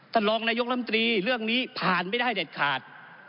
ท่านรองนายกรรมตรีเรื่องนี้ผ่านไม่ได้เด็ดขาด